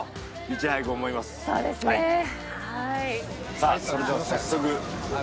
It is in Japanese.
さあそれでは早速。